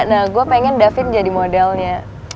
nah gue pengen david jadi modelnya